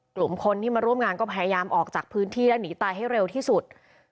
กลุ่มคนที่มาร่วมงานก็พยายามออกจากพื้นที่และหนีตายให้เร็วที่สุด